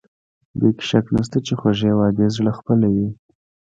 دې کې شک نشته چې خوږې وعدې زړه خپلوي.